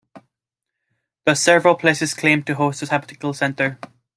Thus, several places claim to host this hypothetical centre.